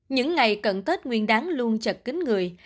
những ngày cận tết nguyên đáng luôn chật kính người